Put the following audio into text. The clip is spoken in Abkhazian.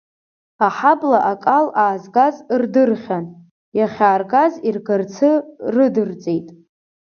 Аҳабла акал аазгаз рдырхьан, иахьааргаз иргарацы рыдырҵеит.